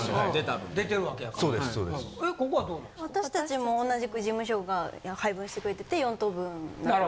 私達も同じく事務所が配分してくれてて４等分だと。